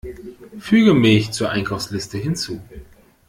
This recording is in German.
Füge Milch zur Einkaufsliste hinzu!